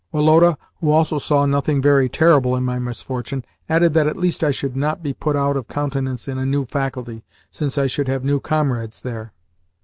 Woloda, who also saw nothing very terrible in my misfortune, added that at least I should not be put out of countenance in a new faculty, since I should have new comrades there.